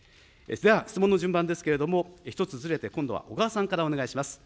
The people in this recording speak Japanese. では質問の順番ですけれども、１つずれて今度は小川さんからお願いします。